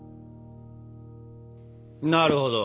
なるほど。